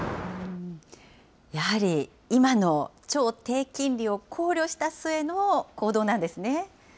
超低金利を考慮した末の行動なんですね。